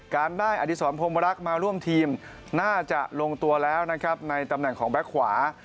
การได้อดีศรพรมรักมาร่วมทีมน่าจะลงตัวแล้วนะครับในตำแหน่งของแบ็คขวา